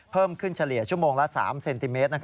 เพิ่มขึ้นเฉลี่ยชั่วโมงละ๓เซนติเมตร